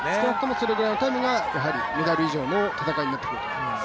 それぐらいのタイムがやはりメダル以上の戦いになってくると思います。